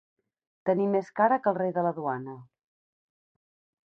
Tenir més cara que el rei de la Duana.